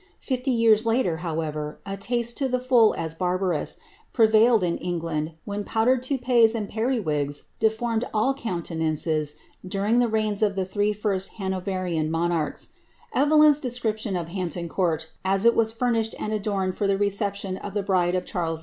Fifty years later, however, a taste, to the full ai barbarous^ prevailed in England, when powdered toupees and perivigi OATHARIlfB OF BRAOANIA. 333 ountenances during the reigns of the three first Hanoreriaa ▼elyn^s description of Hampton Court, as it was furnished nr the reception of the bride of Charles II.